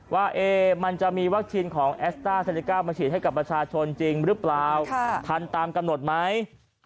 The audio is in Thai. ว่ามันจะมีวัคซีนของแอสต้าเซเนก้ามาฉีดให้กับประชาชนจริงหรือเปล่าทันตามกำหนดไหม